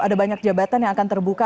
ada banyak jabatan yang akan terbuka